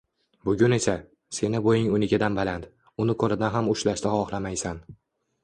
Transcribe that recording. Bugun esa, seni bo'ying unikidan baland, uni qo'lidan ham ushlashni xohlamaysan